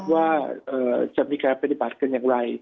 ว่าจะมีการปฏิบัติกันอย่างไร